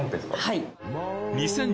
はい。